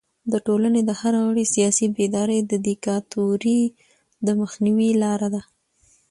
د ټولنې د هر غړي سیاسي بیداري د دیکتاتورۍ د مخنیوي لاره ده.